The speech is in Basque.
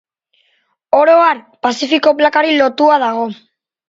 Oro har, Pazifiko Plakari lotua dago.